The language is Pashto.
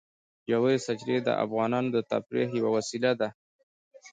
ژورې سرچینې د افغانانو د تفریح یوه وسیله ده.